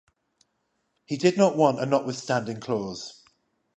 He did not want a notwithstanding clause.